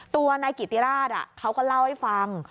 ตัวนายกิติราชเขาก็เล่าให้ฟัง